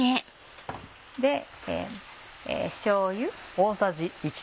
しょうゆ。